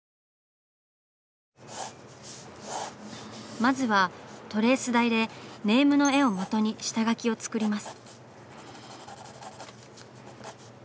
まずはトレース台でネームの絵をもとに下描きを作ります。